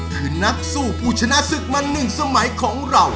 คือนักสู้ผู้ชนะศึกมา๑สมัยของเรา